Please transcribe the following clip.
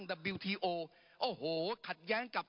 ปรับไปเท่าไหร่ทราบไหมครับ